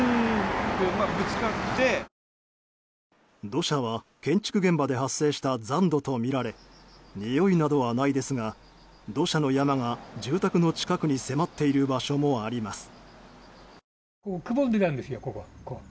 土砂は、建築現場で発生した残土とみられにおいなどはないですが土砂の山が住宅の近くに迫っている場所もあります。